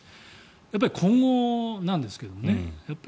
やっぱり今後なんですけどね